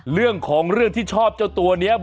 เรื่องของเรื่องที่ชอบเจ้าตัวนี้